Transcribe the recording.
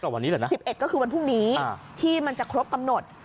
วันนี้แหละนะ๑๑ก็คือวันพรุ่งนี้ที่มันจะครบกำหนด